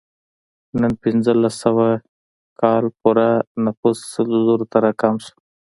تر پنځلس سوه کال پورې نفوس سل زرو ته راکم شو.